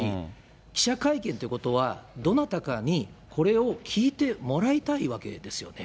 記者会見っていうことは、どなたかにこれを聞いてもらいたいわけですよね。